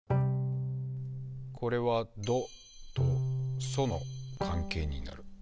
これは「ド」と「ソ」の関係になる。